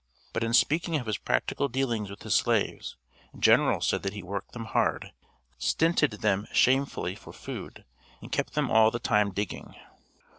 But in speaking of his practical dealings with his slaves, General said that he worked them hard, stinted them shamefully for food, and kept them all the time digging.